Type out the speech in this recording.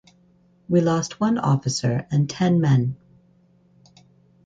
We lost one officer and ten men.